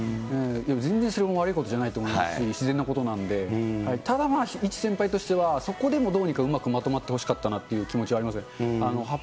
全然それも悪いことじゃないと思いますし、自然だと思いますし、ただ、一先輩としてはそこでもどうにかうまくまとまってほしいということがありますね。